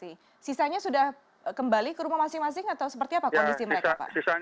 sisanya sudah kembali ke rumah masing masing atau seperti apa kondisi mereka pak